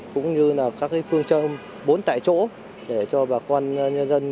cũng như là các phương châm bốn tại chỗ để cho bà con nhân dân